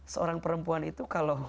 seorang perempuan itu kalau